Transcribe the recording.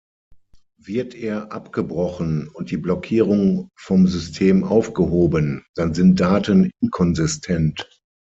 Wird er abgebrochen und die Blockierung vom System aufgehoben, dann sind Daten inkonsistent.